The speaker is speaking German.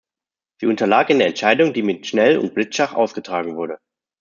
Sie unterlag in der Entscheidung, die mit Schnell- und Blitzschach ausgetragen wurde.